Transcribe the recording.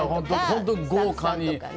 本当に豪華で。